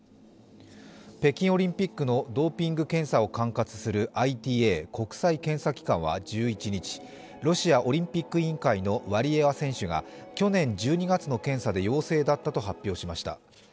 北京オリンピックのドーピング検査を監査するＩＴＡ＝国際検査機関は１１日、ロシアオリンピック委員会のワリエワ選手が去年１２月の検査で陽性だったと発表しました。